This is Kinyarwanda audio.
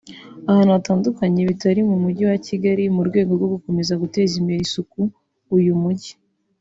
ahantu hatandukanye bitari mu Mujyi wa Kigali mu rwego rwo gukomeza guteza imbere isuku uyu mujyi